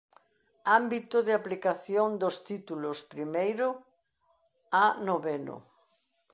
Ámbito de aplicación dos títulos primeiro a noveno.